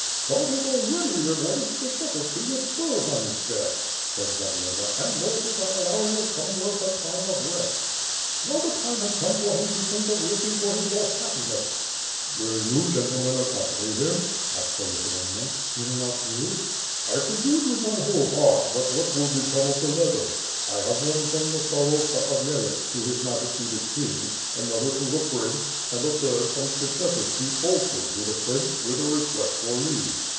"God has already rewarded Skshetuski with Bohun's death," said Zagloba, "and also by allowing the Common wealth a time of rest. Now the time has come for him to think of looking for his lost happiness." WITH FIRE AND SWORD. 577 "Will you gentlemen accompany him?' asked the Lithu anian. "Will not you?" "I would do it with my whole heart, but what will become of the letters. I have one from the starosta of Yelets to His Majesty the king, another to the prince, and a third from Skshetuski, also to the prince, with a request for leave."